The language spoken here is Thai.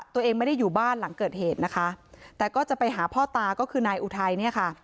ตัวเองไม่ได้อยู่บ้านหลังเกิดเหตุนะคะแต่ก็จะไปหาพ่อตาก็คือนายอุทัยเนี่ยค่ะ